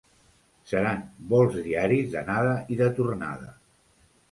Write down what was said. Seran vols diaris d’anada i de tornada.